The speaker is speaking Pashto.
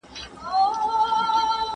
¬ لالا راوړې، لالا خوړلې.